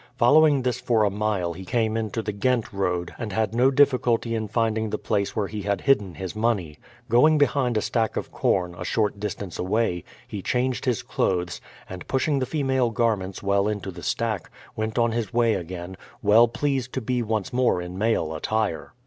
Following this for a mile he came into the Ghent road, and had no difficulty in finding the place where he had hidden his money. Going behind a stack of corn, a short distance away, he changed his clothes; and pushing the female garments well into the stack, went on his way again, well pleased to be once more in male attire.